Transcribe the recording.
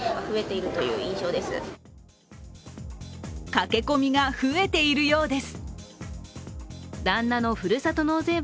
駆け込みが増えているようです。